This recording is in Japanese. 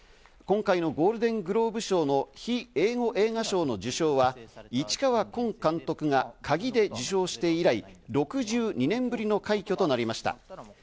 今回のゴールデングローブ賞の非英語映画賞の受賞は、市川崑監督が『鍵』で受賞して以来、６２年ぶりの快挙となりました。